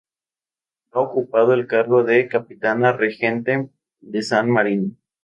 Ha ocupado el cargo de Capitana Regente de San Marino.